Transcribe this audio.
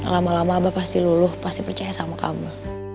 lama lama abah pasti luluh pasti percaya sama kamu